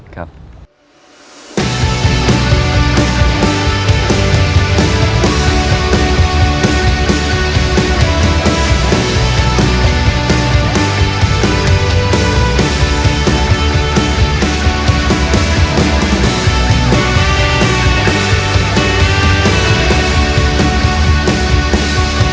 ว่าผมเป็นคนยังไหม